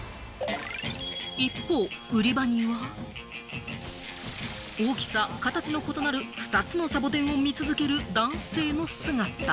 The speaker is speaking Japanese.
一方、売り場には大きさ、形の異なる２つのサボテンを見続ける男性の姿。